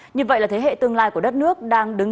như vậy là thế hệ tương lai của đất nước đang đứng